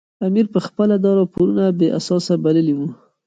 امیر پخپله دا راپورونه بې اساسه بللي وو.